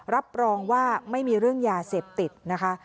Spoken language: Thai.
รับรองว่าไม่มีเรื่องยาเสพติดนะคะ